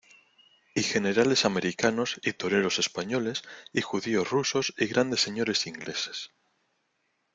y generales americanos, y toreros españoles , y judíos rusos , y grandes señores ingleses.